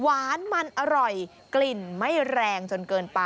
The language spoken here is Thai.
อายุ๕๗ปีนะคะ